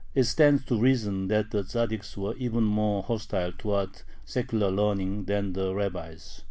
It stands to reason that the Tzaddiks were even more hostile towards secular learning than the rabbis.